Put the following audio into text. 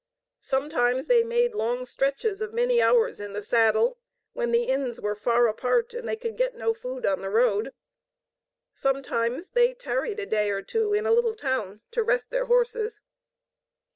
Sometimes they made long stretches of many hours in the saddle, when the inns were far apart and they could get no food on the road. Sometimes they tarried a day or two in a little town to rest their horses.